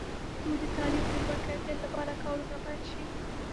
د پښتو د تعلیم د لوړ کیفیت لپاره کارونه پیل شي.